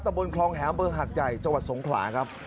บนคลองแหมเบอร์หัดใหญ่จังหวัดสงขลาครับ